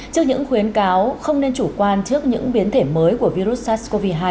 trước những khuyến cáo không nên chủ quan trước những biến thể mới của virus sars cov hai